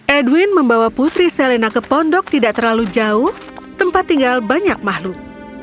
edwin membawa putri selena ke pondok tidak terlalu jauh tempat tinggal banyak makhluk